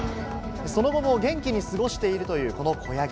その後も元気に過ごしているというこの子ヤギ。